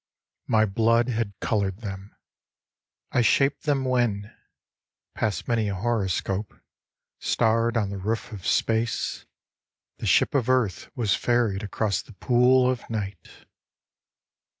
My blood had coloured them. I shaped them when Past many a horoscope, Starred' On the roof of space, The ship of earth was ferried Across the pool of night.